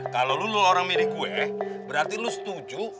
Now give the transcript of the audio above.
kalau lu lu orang milih gue berarti lu setuju